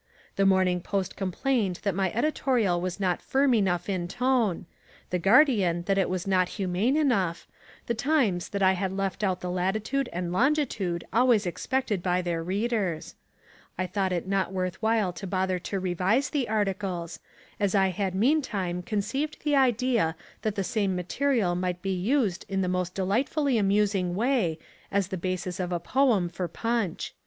The Morning Post complained that my editorial was not firm enough in tone, the Guardian that it was not humane enough, the Times that I had left out the latitude and longitude always expected by their readers. I thought it not worth while to bother to revise the articles as I had meantime conceived the idea that the same material might be used in the most delightfully amusing way as the basis of a poem far Punch.